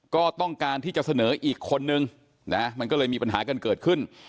ก็ต้องการที่จะเสนออีกคนนึงนะมันก็เลยมีปัญหากันเกิดขึ้น